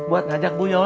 buat ngajak bu yola